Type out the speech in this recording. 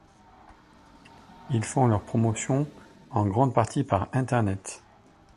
Ils font leur promotion en grande partie par Internet.